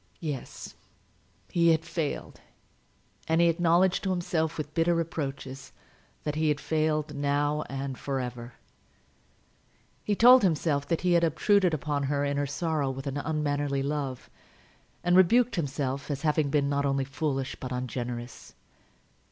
Yes; he had failed: and he acknowledged to himself, with bitter reproaches, that he had failed, now and for ever. He told himself that he had obtruded upon her in her sorrow with an unmannerly love, and rebuked himself as having been not only foolish but ungenerous.